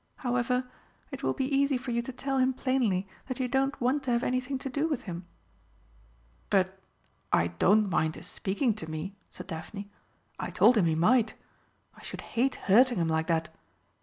However, it will be easy for you to tell him plainly that you don't want to have anything to do with him." "But I don't mind his speaking to me," said Daphne. "I told him he might. I should hate hurting him like that.